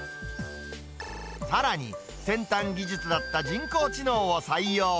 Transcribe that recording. さらに、先端技術だった人工知能を採用。